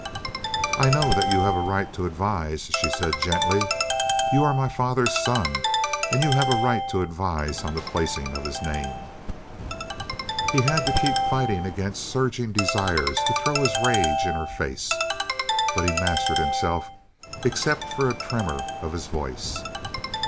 "I know that you have a right to advise," she said gently. "You are my father's son and you have a right to advise on the placing of his name." He had to keep fighting against surging desires to throw his rage in her face. But he mastered himself, except for a tremor of his voice.